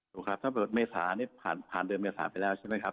ถูกครับถ้าเกิดเมษานี่ผ่านผ่านเดือนเมษาไปแล้วใช่ไหมครับ